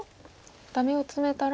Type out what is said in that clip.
ダメをツメたら。